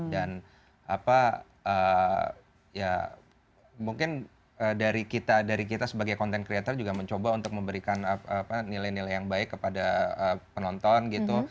dan apa ya mungkin dari kita sebagai content creator juga mencoba untuk memberikan nilai nilai yang baik kepada penonton gitu